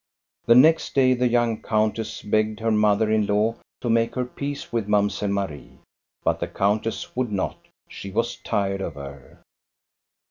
The next day the young countess begged her mother in law to make her peace with Mamselle Marie ; but the countess would not She was tired of her.